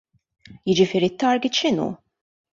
Jiġifieri t-target x'inhu?